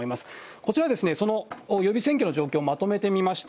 こちらですね、その予備選挙の状況をまとめてみました。